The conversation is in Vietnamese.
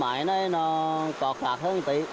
máy này nó có khác hơn một tỷ